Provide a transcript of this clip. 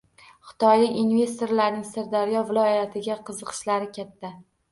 Xitoylik investorlarning Sirdaryo viloyatiga qiziqishlari katta